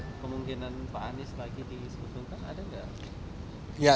kemungkinan pak anies lagi diusung kan ada nggak